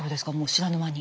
知らぬ間に。